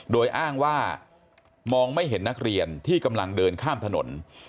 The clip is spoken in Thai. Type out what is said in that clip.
โดยอ้างว่ามองไม่เห็นนักเรียนที่กำลังเดินข้ามถนน